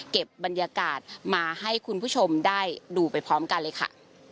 บรรยากาศมาให้คุณผู้ชมได้ดูไปพร้อมกันเลยค่ะ